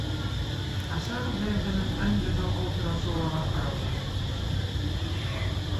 Əsər Verdinin ən gözəl operası olaraq qəbul edilir.